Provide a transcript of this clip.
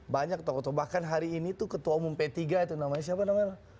banyak tokoh tokoh bahkan hari ini tuh ketua umum p tiga itu namanya siapa namanya